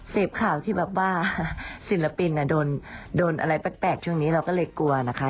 เสพข่าวที่แบบว่าศิลปินโดนอะไรแปลกช่วงนี้เราก็เลยกลัวนะคะ